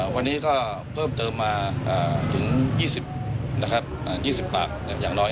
วันนี้ก็เพิ่มเติมมาถึง๒๐ปากอย่างน้อย